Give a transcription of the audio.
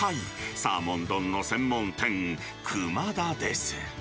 サーモン丼の専門店、熊だです。